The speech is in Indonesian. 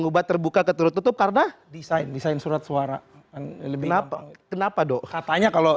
ngubah terbuka keturut tutup karena desain desain surat suara lebih kenapa kenapa dok katanya kalau